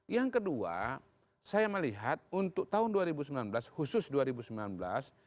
yang kedua saya melihat untuk tahun dua ribu sembilan belas khusus dua ribu sembilan belas